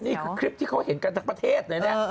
นี่คือคลิปที่เขาเห็นกับทั้งประเทศ